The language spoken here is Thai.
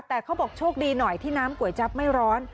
แต่เขาบอกโชคดีหน่อยที่น้ำก๋วยจั๊บไม่ร้อน